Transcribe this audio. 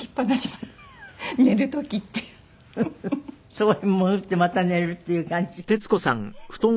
そこに潜ってまた寝るっていう感じ？